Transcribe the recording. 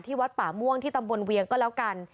วัดป่าม่วงที่ตำบลเวียงก็แล้วกัน